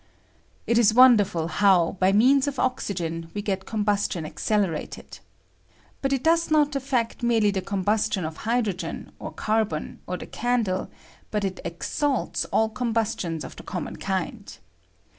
] It is wonderful how, by means of oxygen, we get combustion accelerated. But it does not affect merely the combustion of hydrogen, or carbon, or the candle, but it exalts all com bustions of the common kind.